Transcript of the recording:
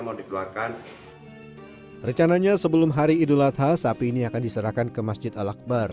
mau dikeluarkan percaya nanya sebelum hari iduladha sapi ini akan diserahkan ke masjid al aqbar